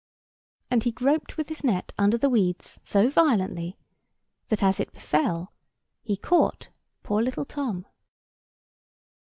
And he groped with his net under the weeds so violently, that, as it befell, he caught poor little Tom.